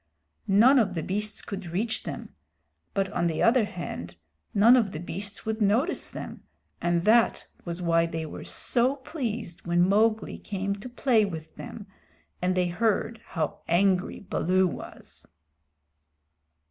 None of the beasts could reach them, but on the other hand none of the beasts would notice them, and that was why they were so pleased when Mowgli came to play with them, and they heard how angry Baloo was.